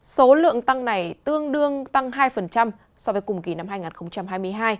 số lượng tăng này tương đương tăng hai so với cùng kỳ năm hai nghìn hai mươi hai